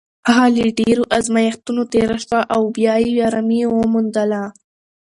هغه له ډېرو ازمېښتونو تېره شوه او بیا یې ارامي وموندله.